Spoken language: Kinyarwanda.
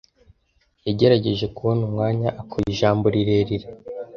Yagerageje kubona umwanya akora ijambo rirerire.